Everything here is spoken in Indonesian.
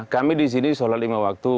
kami di sini sholat lima waktu